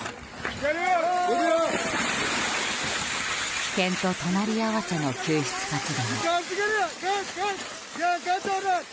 危険と隣り合わせの救出活動。